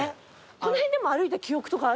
この辺でも歩いた記憶とかある？